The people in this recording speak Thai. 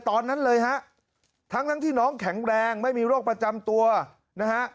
ตอนนั้นเลยฮะทั้งทั้งที่น้องแข็งแรงไม่มีโรคประจำตัวนะฮะ